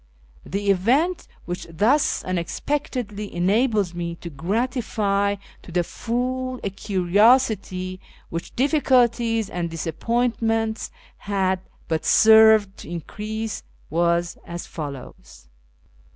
The event wdiich thus unexpectedly enabled me to gratify to tlie full a curiosity which difficulties and disappointments had but served to increase, was as follows.